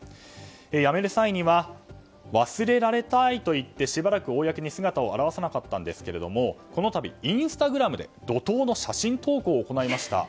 辞める際には忘れられたいと言ってしばらく公に姿を現さなかったんですがこの度、インスタグラムで怒涛の写真投稿を行いました。